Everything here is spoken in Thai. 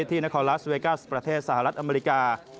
ที่นครลาสเวกัสประเทศสหรัฐอเมริกา